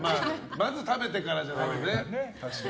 まず食べてからじゃないとね。